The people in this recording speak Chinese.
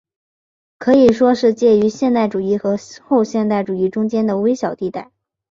可以说是介于现代主义和后现代主义中间的微小地带。